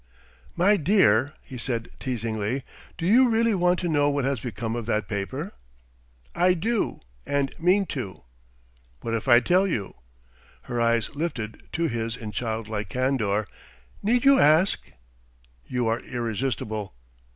"My dear," he said, teasingly, "do you really want to know what has become of that paper?" "I do, and mean to." "What if I tell you?" Her eyes lifted to his in childlike candour. "Need you ask?" "You are irresistible....